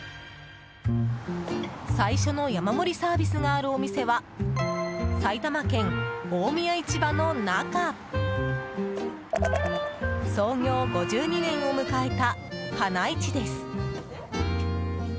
最初の山盛りサービスがあるお店は埼玉県大宮市場の中創業５２年を迎えた花いちです。